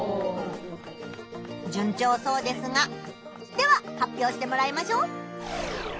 じゅん調そうですがでは発表してもらいましょう！